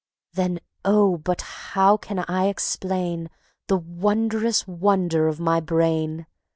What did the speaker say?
Then oh! but how can I explain The wondrous wonder of my Brain?